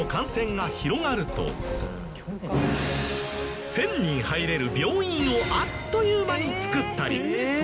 １０００人入れる病院をあっという間に造ったり。